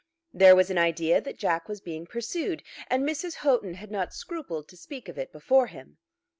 There was an idea that Jack was being pursued, and Mrs. Houghton had not scrupled to speak of it before him.